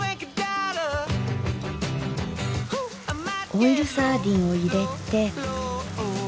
オイルサーディンを入れて。